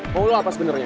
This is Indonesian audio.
kamu apa sebenarnya